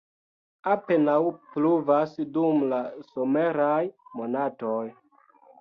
Apenaŭ pluvas dum la someraj monatoj.